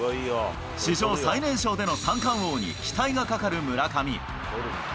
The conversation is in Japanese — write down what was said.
史上最年少での三冠王に期待がかかる村上。